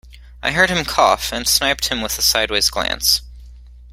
I heard him cough, and sniped him with a sideways glance.